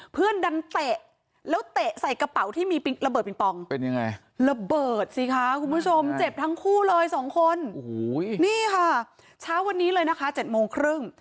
เพื่อนดันเตะแล้วเตะใส่กระเป๋าที่มีระเบิดปิงปองเป็นยังไงระเบิดสิคะคุณผู้ชมเจ็บทั้งคู่เลยสองคนโอ้โหนี่ค่ะเช้าวันนี้เลยนะคะ๗โมงครึ่ง